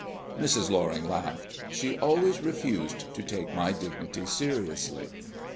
Mrs. Loring laughed. She always refused to take my dignity seriously.